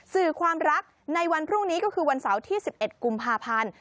สื่อความรักในวันพรุ่งนี้ก็คือวันเสาร์ที่๑๑กุมภาพันธ์